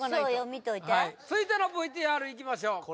見といて続いてのＶＴＲいきましょう